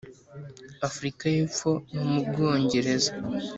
Afurika y’Epfo no mu Bwongereza